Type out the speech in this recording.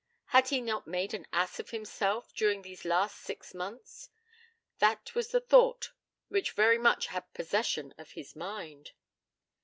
Had he not made an ass of himself during these last six months? That was the thought which very much had possession of his mind.